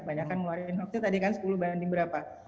banyak kan ngeluarin hoaxnya tadi kan sepuluh banding berapa